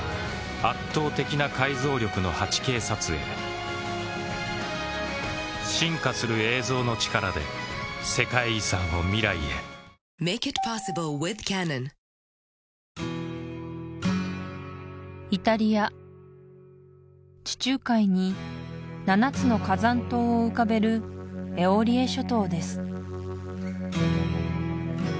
圧倒的な解像力の８Ｋ撮影進化する映像の力で世界遺産を未来へイタリア地中海に７つの火山島を浮かべるエオリエ諸島です